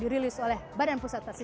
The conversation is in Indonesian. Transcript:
dirilis oleh bps